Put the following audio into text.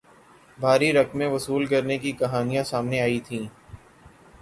بھاری رقمیں وصول کرنے کی کہانیاں سامنے آئی تھیں